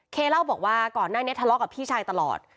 เล่าบอกว่าก่อนหน้านี้ทะเลาะกับพี่ชายตลอด